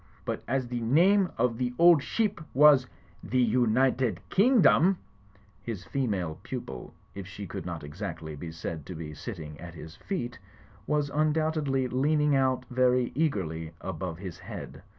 But as the name of the ship was The United King dom—' " His female pupil, if she could not exactly be said to be sitting at his feet, was imdoubtedly leaning out very eagerly above his head.